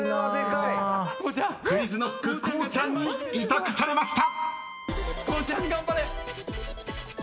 ［ＱｕｉｚＫｎｏｃｋこうちゃんにイタクされました］